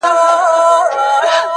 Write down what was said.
د عِلم تخم ته هواري کړی د زړو کروندې,